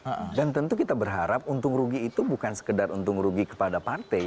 jadi tentu kita berharap untung rugi itu bukan sekedar untung rugi kepada partai